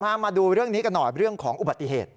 มาดูเรื่องนี้กันหน่อยเรื่องของอุบัติเหตุ